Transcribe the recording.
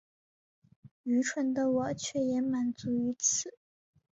愚蠢的我却也满足於此